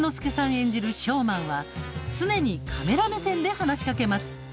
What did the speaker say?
演じるショーマンは常にカメラ目線で話しかけます。